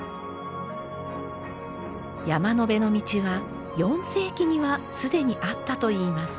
山辺の道は４世紀には既にあったといいます。